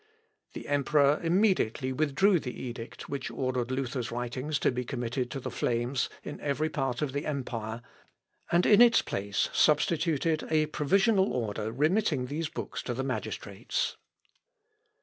The emperor immediately withdrew the edict which ordered Luther's writings to be committed to the flames in every part of the empire, and in its place substituted a provisional order remitting these books to the magistrates.